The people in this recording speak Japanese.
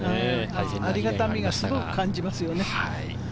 ありがたみをすごく感じますよね。